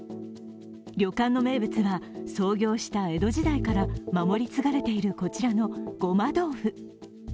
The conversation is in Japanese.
旅客の名物は創業した江戸時代から守り継がれているこちらのごま豆腐。